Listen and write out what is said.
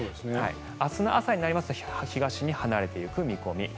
明日の朝になりますと東に離れていく見込み。